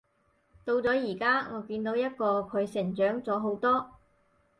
到咗而家，我見到一個佢成長咗好多